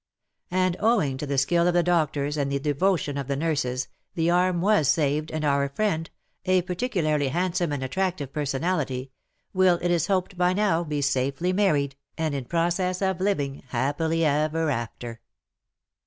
And, owing to the skill of the doctors and the devotion of the nurses, the arm was saved and our friend — a particularly handsome and attractive personality — will it is hoped by now be safely married, and in process of living happily ever after